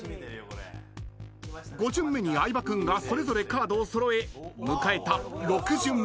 ［５巡目に相葉君がそれぞれカードを揃え迎えた６巡目］